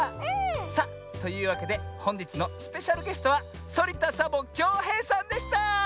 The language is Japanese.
さあというわけでほんじつのスペシャルゲストはそりた・サボ・きょうへいさんでした！